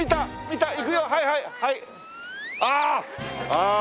ああ！